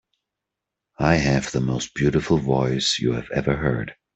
I have the most beautiful voice you have ever heard.